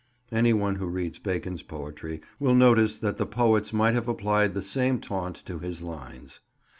Any one who reads Bacon's poetry will notice that the poets might have applied the same taunt to his lines.